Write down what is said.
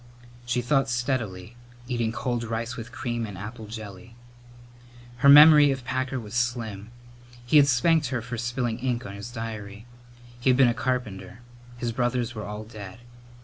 She thought steadily, eating cold rice with cream and apple jelly. Her memory of Packer was slim. He had spanked her for spilling ink on his diary. He had been a carpenter. His brothers were all dead.